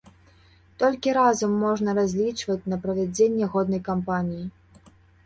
Толькі разам можна разлічваць на правядзенне годнай кампаніі.